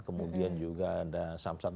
kemudian juga ada samsat